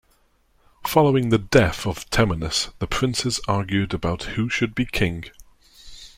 Following the death of Temenus, the princes argued about who should be king.